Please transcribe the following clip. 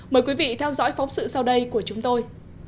mời quý vị theo dõi phóng sự sau đây của chúng tôi